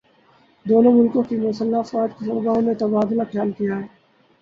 دونوں ملکوں کی مسلح افواج کے سربراہوں نے تبادلہ خیال کیا ہے